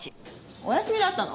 お休みだったの。